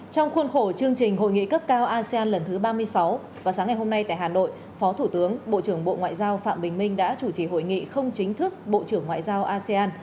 trong khuôn khổ chương trình hội nghị cấp cao asean lần thứ ba mươi sáu vào sáng ngày hôm nay tại hà nội phó thủ tướng bộ trưởng bộ ngoại giao phạm bình minh đã chủ trì hội nghị không chính thức bộ trưởng ngoại giao asean